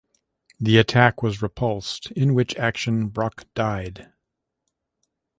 The attack was repulsed, in which action Brock died.